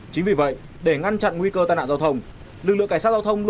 chính vì vậy để ngăn chặn nguy cơ tai nạn giao thông